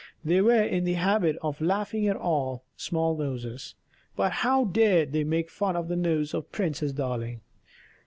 They were in the habit of laughing at all small noses; but how dared they make fun of the nose of Princess Darling?